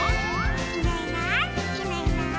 「いないいないいないいない」